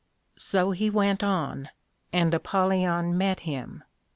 So he went on, and Apollyon met him.